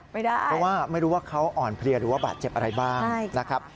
เพราะว่าไม่รู้ว่าเขาอ่อนเพลียหรือว่าบาดเจ็บอะไรบ้างนะครับ